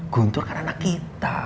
guntur kan anak kita